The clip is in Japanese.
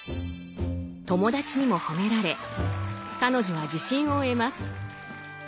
友達にも褒められ彼女は自信を得ます。